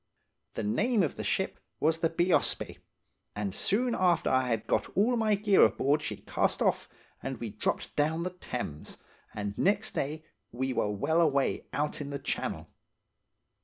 "The name of the ship was the Bheospsé, and soon after I had got all my gear aboard she cast off, and we dropped down the Thames, and next day were well away out in the Channel.